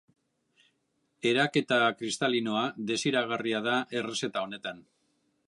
Eraketa kristalinoa desiragarria da errezeta honetan.